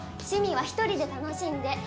趣味は１人で楽しんで！